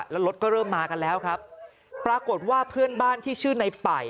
แล้วรถก็เริ่มมากันแล้วครับปรากฏว่าเพื่อนบ้านที่ชื่อในป่าย